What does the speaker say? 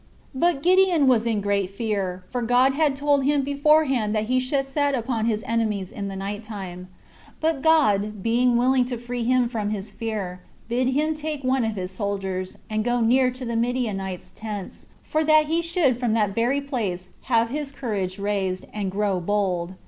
4. But Gideon was in great fear, for God had told him beforehand that he should set upon his enemies in the night time; but God, being willing to free him from his fear, bid him take one of his soldiers, and go near to the Midianites' tents, for that he should from that very place have his courage raised, and grow bold.